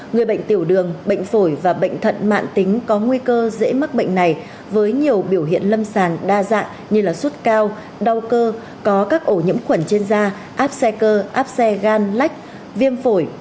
người bệnh tiểu đường bệnh phổi và bệnh thận mạng tính có nguy cơ dễ mắc bệnh này với nhiều biểu hiện lâm sàng đa dạng như suốt cao đau cơ có các ổ nhiễm khuẩn trên da áp xe cơ áp xe gan lách viêm phổi